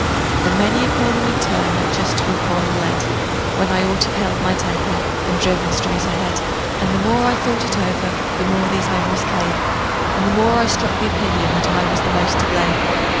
And many a corner we'd turned that just to a quarrel led, When I ought to 've held my temper, and driven straight ahead; And the more I thought it over the more these memories came, And the more I struck the opinion that I was the most to blame.